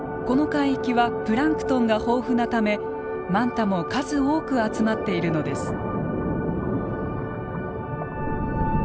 この海域はプランクトンが豊富なためマンタも数多く集まっているのです。